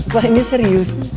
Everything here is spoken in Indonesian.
wah ini serius